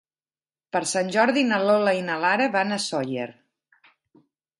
Per Sant Jordi na Lola i na Lara van a Sóller.